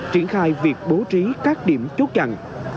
triển khai việc bố trí các điểm chốt nhận